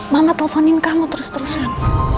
mama teleponin kamu terus terusan